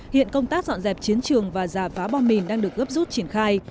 hiện công tác dọn dẹp chiến trường và giả phá bom mìn đang được gấp rút triển khai